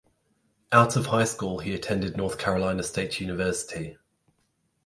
Out of high school he attended North Carolina State University.